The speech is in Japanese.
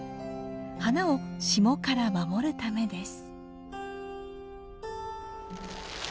花を霜から守るためです。